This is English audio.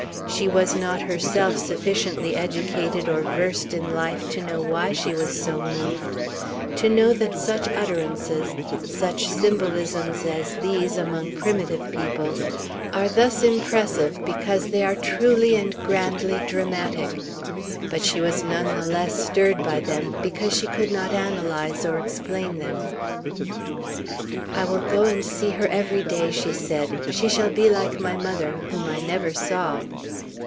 She was not herself sufficiently educated or versed in life to know why she was so moved, to know that such utterances, such symbolisms as these, among primitive peoples, are thus impressive because they are truly and grandly dramatic; but she was none the less stirred by them, because she could not analyze or explain them. "I will go and see her every day," she said; "she shall be like my mother, whom I never saw."